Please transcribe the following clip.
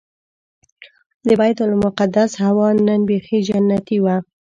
د بیت المقدس هوا نن بيخي جنتي وه.